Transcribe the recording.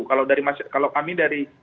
kalau dari kalau kami dari